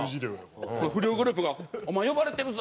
不良グループが「お前呼ばれてるぞ」